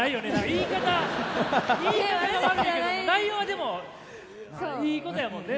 言い方が悪いけども内容はでもいいことやもんね。